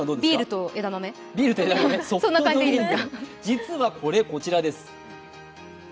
実はこれ、こちらです。